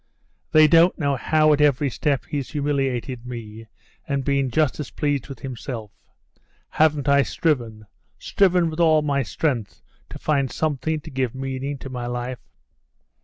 They don't know how at every step he's humiliated me, and been just as pleased with himself. Haven't I striven, striven with all my strength, to find something to give meaning to my life?